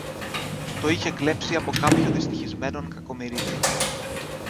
Το είχε κλέψει από κάποιο δυστυχισμένον Κακομοιρίδη